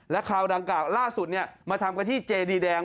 และคราวดั่งกล่าวล่าสุดเนี่ยมาทำกันที่เจดีแตง